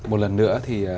một lần nữa thì